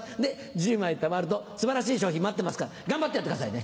１０枚たまると素晴らしい賞品待ってますから頑張ってやってくださいね。